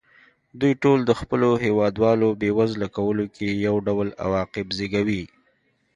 دوی ټول د خپلو هېوادوالو بېوزله کولو کې یو ډول عواقب زېږوي.